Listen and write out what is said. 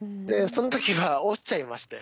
その時は落ちちゃいまして。